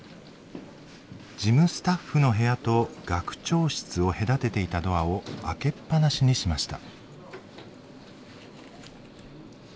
事務スタッフの部屋と学長室を隔てていたドアを開けっぱなしにしました。